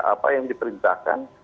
apa yang diperintahkan